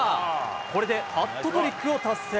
これでハットトリックを達成。